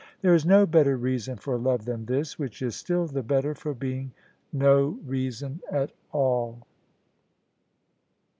There is no better reason for love than this : which is still the better for being no reason at all.